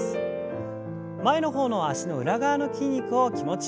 前の方の脚の裏側の筋肉を気持ちよく伸ばしてください。